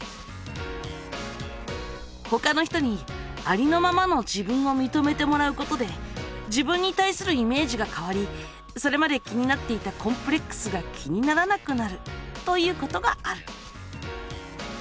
ほかの人にありのままの自分をみとめてもらうことで自分に対するイメージが変わりそれまで気になっていたコンプレックスが気にならなくなるということがある。